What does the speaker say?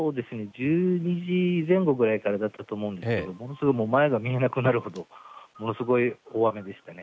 １２時前後ぐらいからだったと思うんですけども、ものすごい前が見えなくなるほどものすごい大雨でしたね。